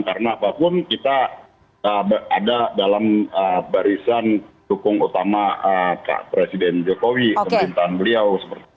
karena apapun kita ada dalam barisan dukung utama pak presiden jokowi kemintaan beliau